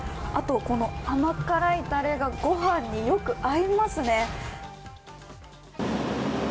この甘辛いタレがご飯によく合いますね。